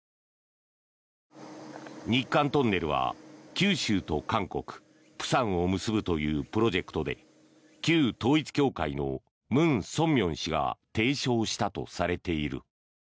日韓トンネルは九州と韓国・釜山を結ぶというプロジェクトで旧統一教会のムン・ソンミョン氏が提唱したとされている。